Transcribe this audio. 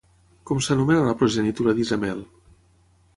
Com s'anomena la progenitura d'Isamel?